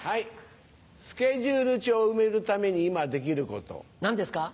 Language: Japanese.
スケジュール帳を埋めるために今できること。何ですか？